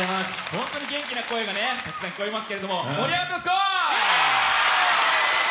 本当に元気な声がたくさん聞こえますけれども盛り上がってますか！